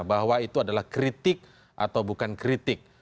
bahwa itu adalah kritik atau bukan kritik